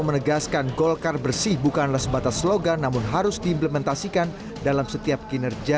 menegaskan golkar bersih bukanlah sebatas slogan namun harus diimplementasikan dalam setiap kinerja